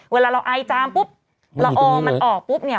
เวลาเราไอจามปุ๊บละอองมันออกปุ๊บเนี่ย